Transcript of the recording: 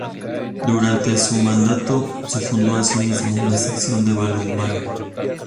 Durante su mandato se fundó, así mismo, la sección de balonmano.